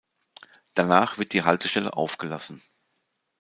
Danach wird die Haltestelle aufgelassen.